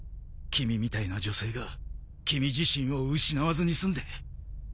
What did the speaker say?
君みたいな女性が君自身を失わずに済んで。